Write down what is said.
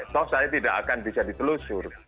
toh saya tidak akan bisa ditelusur